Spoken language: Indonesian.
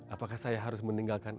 apakah saya harus meninggalkan